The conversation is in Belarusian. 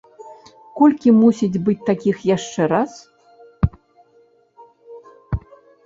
Колькі мусіць быць такіх яшчэ раз?